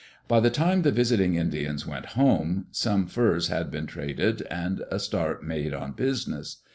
By the time the visiting Indians went home, some furs had been traded and a start made on business.